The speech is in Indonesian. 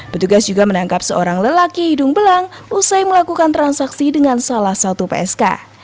petugas juga menangkap seorang lelaki hidung belang usai melakukan transaksi dengan salah satu psk